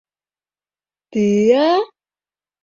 Ты-а-а-а...